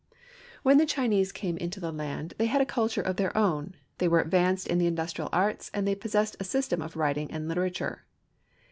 When the Chinese came into the land they had a culture of their own. They were advanced in the industrial arts and they possessed a system of writing and a literature.